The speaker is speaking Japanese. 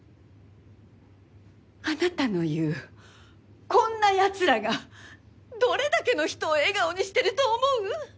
あなたの言うこんなやつらがどれだけの人を笑顔にしてると思う？